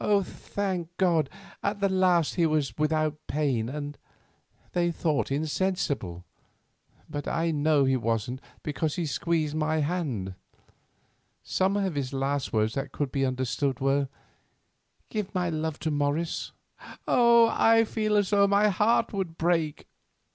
Thank God, at the last he was without pain and, they thought, insensible; but I know he wasn't, because he squeezed my hand. Some of his last words that could be understood were, 'Give my love to Morris.' Oh! I feel as though my heart would break.